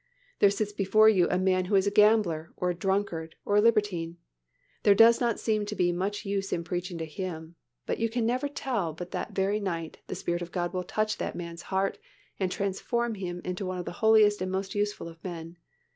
There sits before you a man who is a gambler, or a drunkard, or a libertine. There does not seem to be much use in preaching to him, but you can never tell but that very night, the Spirit of God will touch that man's heart and transform him into one of the holiest and most useful of men.